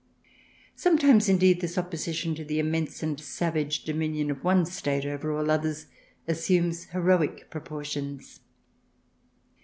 Sometimes, indeed, this opposition to the immense and savage dominion of one State over all the others assumes heroic proportions.